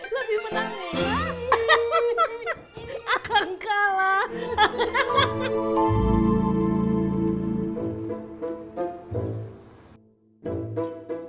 lebih menang mula